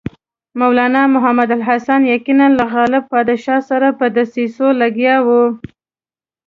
مولنا محمود الحسن یقیناً له غالب پاشا سره په دسیسو لګیا وو.